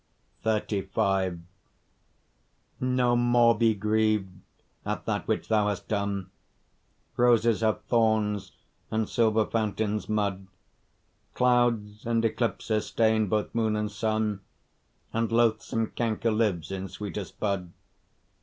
XXXV No more be griev'd at that which thou hast done: Roses have thorns, and silver fountains mud: Clouds and eclipses stain both moon and sun, And loathsome canker lives in sweetest bud.